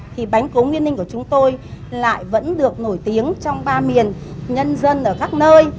thì bánh cố yên ninh của chúng tôi lại vẫn được nổi tiếng trong ba miền nhân dân ở các nơi